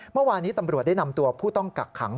เมื่อวานี้ตำรวจได้นำตัวผู้ต้องกักขัง